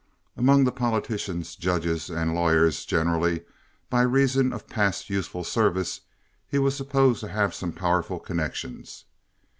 Among the politicians, judges, and lawyers generally, by reason of past useful services, he was supposed to have some powerful connections.